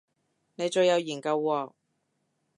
你最有研究喎